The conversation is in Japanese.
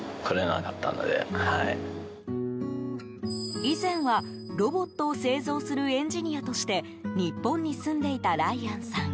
以前は、ロボットを製造するエンジニアとして日本に住んでいたライアンさん。